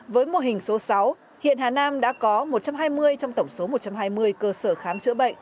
với mô hình số sáu hiện hà nam đã có một trăm hai mươi trong tổng số một trăm hai mươi cơ sở khám chữa bệnh